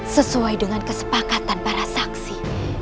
sesuai dengan kesepakatan para saksi